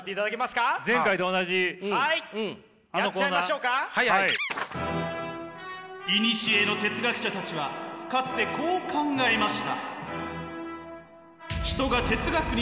いにしえの哲学者たちはかつてこう考えました。